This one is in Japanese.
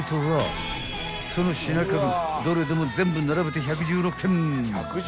［その品数どれでも全部並べて］